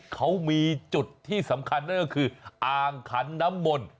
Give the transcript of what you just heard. เขามีจุดที่สำคัญนั่นก็คืออ่างขันน้ำมนต์